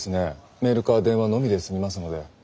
メールか電話のみで済みますので。